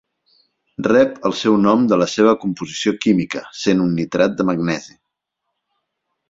Rep el seu nom de la seva composició química, sent un nitrat de magnesi.